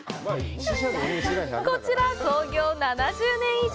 こちら、創業７０年以上。